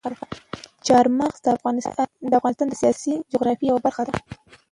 چار مغز د افغانستان د سیاسي جغرافیې یوه برخه ده.